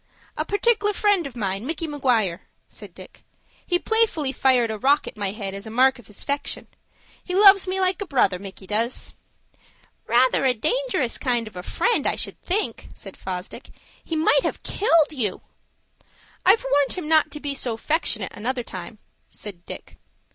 "A partic'lar friend of mine, Micky Maguire," said Dick. "He playfully fired a rock at my head as a mark of his 'fection. He loves me like a brother, Micky does." "Rather a dangerous kind of a friend, I should think," said Fosdick. "He might have killed you." "I've warned him not to be so 'fectionate another time," said Dick.